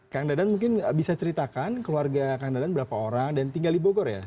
kang dadan mungkin bisa ceritakan keluarga kang dadan berapa orang dan tinggal di bogor ya